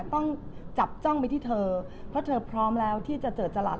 ต้องจับจ้องไปที่เธอเพราะเธอพร้อมแล้วที่จะเจอจรัส